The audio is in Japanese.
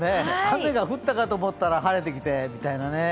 雨が降ったかと思ったら晴れてきてみたいな。